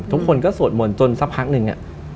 ทุกคนก็สวดมนต์จนสักพักหนึ่ง